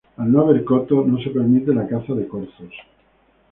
Al no haber coto, no se permite la caza de corzos.